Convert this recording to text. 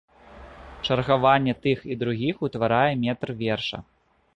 Чаргаванне тых і другіх утварае метр верша.